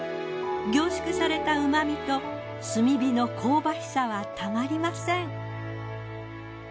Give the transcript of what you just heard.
凝縮された旨みと炭火の香ばしさはたまりません。